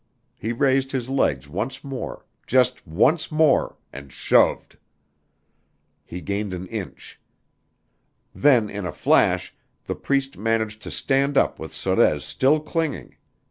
He raised his legs once more just once more, and shoved. He gained an inch. Then in a flash the Priest managed to stand up with Sorez still clinging.